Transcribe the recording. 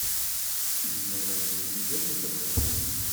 Yezmer ad yili d ayen tebɣiḍ.